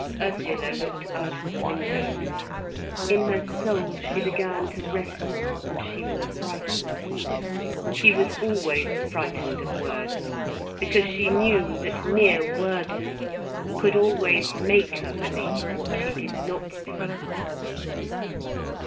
Ursula looked out of the window. In her soul she began to wrestle, and she was frightened. She was always frightened of words, because she knew that mere word force could always make her believe what she did not believe.